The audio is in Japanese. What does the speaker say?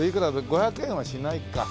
５００円はしないか。